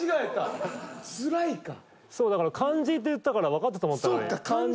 そうだから漢字って言ってたからわかったと思ったのに。